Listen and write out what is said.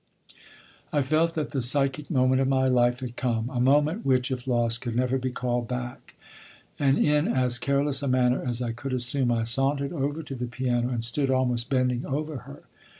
I felt that the psychic moment of my life had come, a moment which, if lost, could never be called back; and, in as careless a manner as I could assume, I sauntered over to the piano and stood almost bending over her.